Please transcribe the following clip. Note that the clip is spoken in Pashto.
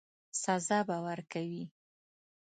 سزا به ورکوي.